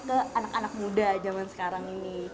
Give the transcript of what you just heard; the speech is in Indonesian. ke anak anak muda zaman sekarang ini